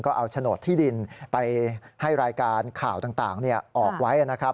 ก็เอาโฉนดที่ดินไปให้รายการข่าวต่างออกไว้นะครับ